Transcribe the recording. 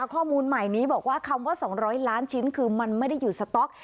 ข้อมูลใหม่นี้บอกว่าคำว่า๒๐๐ล้านชิ้นคือมันไม่ได้อยู่สต๊อก